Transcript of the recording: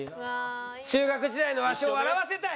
中学時代のわしを笑わせたい。